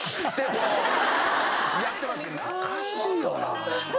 おかしいよな。